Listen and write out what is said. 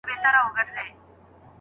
صالحه ميرمن د خاوند شکر ادا کوي.